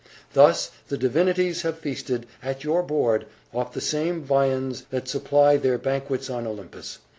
Thus, the divinities have feasted, at your board, off the same viands that supply their banquets on Olympus.